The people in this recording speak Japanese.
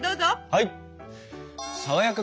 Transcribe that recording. はい！